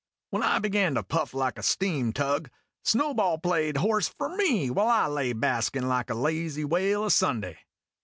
When I began to puff like a steam tug, Snowball played horse for me while I lay baskin' like a lazy whale o' Sunday.